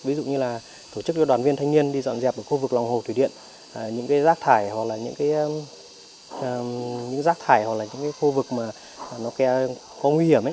ví dụ như tổ chức cho đoàn viên thanh niên đi dọn dẹp khu vực lòng hồ thủy điện những rác thải hoặc khu vực có nguy hiểm